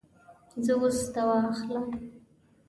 زه اوس دوا اخلم